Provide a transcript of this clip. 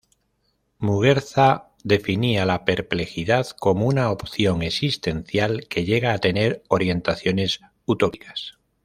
Muguerza definía la "perplejidad" como una opción existencial que llega a tener orientaciones utópicas.